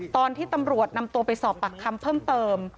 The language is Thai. ตอนที่ตำรวจนำตัวไปสอบปากคำเพิ่มเติม